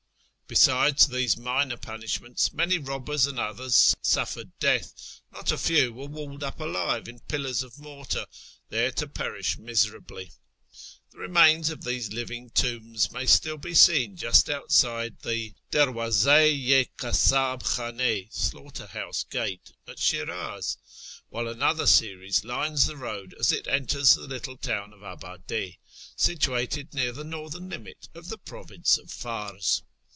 Besides these minor punisli ments, many robbers and others suffered death; not a few were walled up alive in pillars of mortar, there to perish loS A YEAR AMONGST THE PERSIANS miseraV)ly. Tlu' remains of tliesc living tombs may still Ix; seen just outside the Dcr\mzi i Ka><^i'ih l:hdni (Slaughter house gate) at Shi'raz, while another series lines the road as it enters the little town of Abiide, situated near the northern limit of the province of Fars.